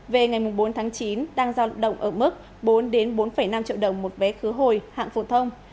về ngày mùng bốn tháng chín đang giao động ở mức bốn bốn năm triệu đồng một vé khứa hồi hạng phụ thông